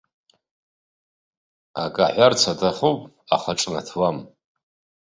Акы аҳәарц аҭахуп, аха ҿнаҭуам.